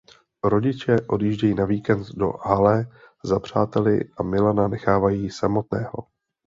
Rodiče odjíždějí na víkend do Halle za přáteli a Milana nechávají samotného.